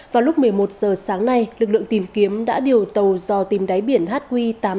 vào lúc một mươi một h sáng nay lực lượng tìm kiếm đã điều tàu do tìm đáy biển hq tám trăm tám mươi tám